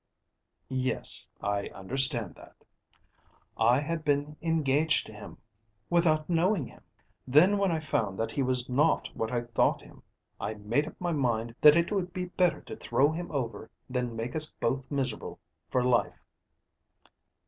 "Yes; I understand that." "I had been engaged to him, without knowing him. Then when I found that he was not what I thought him, I made up my mind that it would be better to throw him over than make us both miserable for life."